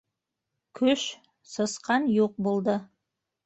«Көш!» - сысҡан юҡ булды.